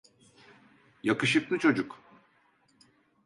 Yakışıklı çocuk.